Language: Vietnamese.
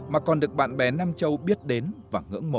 mà còn được bạn bè nam châu biết đến và ngưỡng mộ